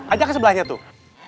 aja ke sebelahnya tuh